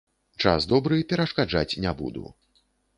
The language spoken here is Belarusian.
Час добры, перашкаджаць не буду.